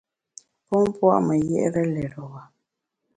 Pon pua’ me yié’re lérewa.